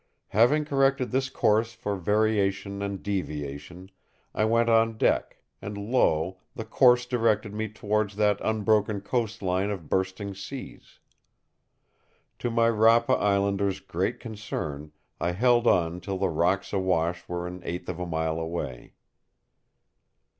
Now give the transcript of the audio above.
Having corrected this course for variation and deviation, I went on deck, and lo, the course directed me towards that unbroken coast line of bursting seas. To my Rapa islander's great concern, I held on till the rocks awash were an eighth of a mile away.